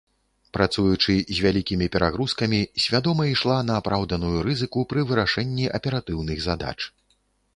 Працуючы з вялікімі перагрузкамі, свядома ішла на апраўданую рызыку пры вырашэнні аператыўных задач.